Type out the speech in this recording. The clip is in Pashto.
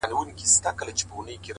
پرمختګ د ځان ارزونې اړتیا لري؛